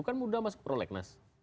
kan mudah masuk ke prolek mas